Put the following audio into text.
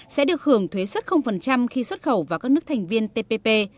sẽ được hưởng thuế xuất khi xuất khẩu vào các nước thành viên tpp